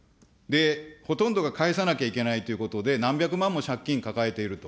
ほとんどが返さなきゃいけないということで、何百万も借金抱えていると。